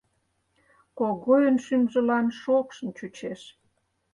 Когойын шӱмжылан шокшын чучеш.